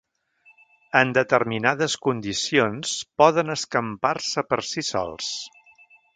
En determinades condicions poden escampar-se per si sols.